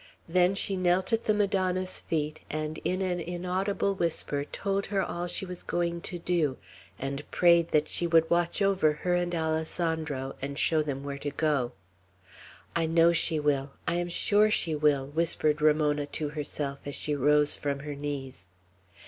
Then she knelt at the Madonna's feet, and in an inaudible whisper told her all she was going to do, and prayed that she would watch over her and Alessandro, and show them where to go. "I know she will! I am sure she will!" whispered Ramona to herself as she rose from her knees.